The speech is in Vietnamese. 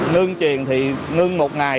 nương chuyền thì nương một ngày